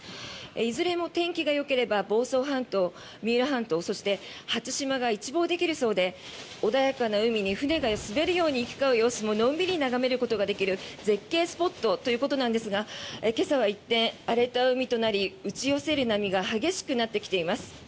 いずれも天気がよければ房総半島三浦半島そして初島が一望できるそうで穏やかな海に船が滑るように行き交う様子ものんびり眺めることができる絶景スポットということですが今朝は一転、荒れた海となり打ち寄せる波が激しくなっています。